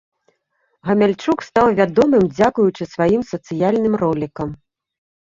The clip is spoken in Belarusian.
Гамяльчук стаў вядомым дзякуючы сваім сацыяльным ролікам.